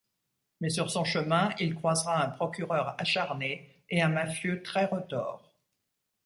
Mais sur son chemin, il croisera un procureur acharné et un mafieux très retors…